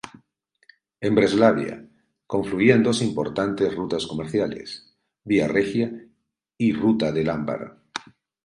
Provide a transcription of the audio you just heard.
En Breslavia, confluían dos importantes rutas comerciales: Vía Regia y Ruta del ámbar.